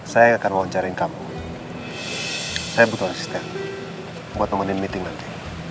saya yang akan wawancarin kamu saya butuh asisten buat nemenin meeting nanti